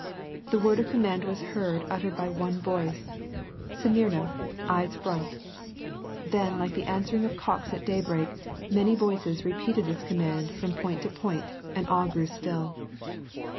The word of command was heard uttered by one voice, — stn^mo, eyes front ! Then like the an swering of cocks at daybreak, many voices repeated this com mand from point to point, and all grew still.